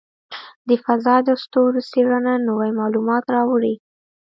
د فضاء د ستورو څېړنه نوې معلومات راوړي.